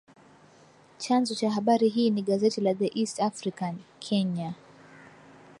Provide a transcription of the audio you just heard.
Chanzo cha habari hii ni gazeti la The East African, Kenya